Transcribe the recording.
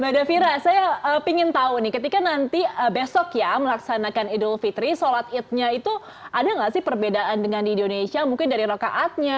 mbak davira saya ingin tahu nih ketika nanti besok ya melaksanakan idul fitri sholat idnya itu ada nggak sih perbedaan dengan di indonesia mungkin dari rokaatnya